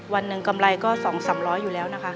วันหนึ่งกำไรก็๒๓๐๐อยู่แล้วนะคะ